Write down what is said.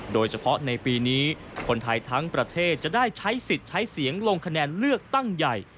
โดยเฉพาะในปีนี้คนไทยทั้งประเทศจะได้ใช้สิทธิ์ใช้เสียงลงคะแนนเลือกตั้งใหญ่